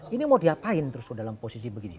ini mau diapain terus dalam posisi begini